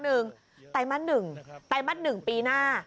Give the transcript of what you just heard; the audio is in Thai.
คุณผู้ชมครับคุณผู้ชมครับ